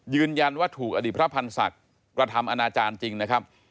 ยืนยันว่าถูกอดีตพระพันธ์ศักดิ์กระทำอนาจารย์จริงนะครับ